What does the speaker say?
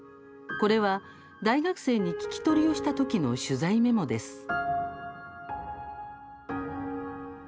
これは大学生に聞き取りをしたときの取材メモです。